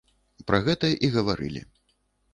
Пра гэта і гаварылі.